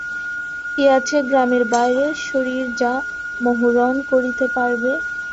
কী আছে গ্রামের বাইরে শশীর যা মনোহরণ করিতে পারবে?